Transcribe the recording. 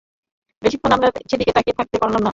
বেশিক্ষণ আমরা সেদিকে তাকিয়ে থাকতে পারলাম না।